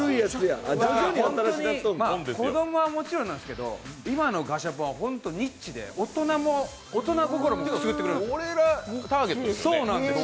子供はもちろんなんですけど、今のガシャポン、本当にニッチで大人心もくすぐってくれるんです。